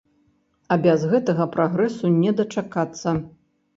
А без гэтага прагрэсу не дачакацца.